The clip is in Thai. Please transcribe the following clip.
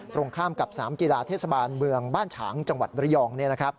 ตรงข้ามกับสนามกีฬาเทศบาลเมืองบ้านฉางจังหวัดระยอง